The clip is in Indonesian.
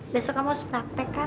besok kamu harus praktek kan